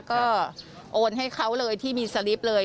ก็โอนให้เขาเลยที่มีสลิปเลย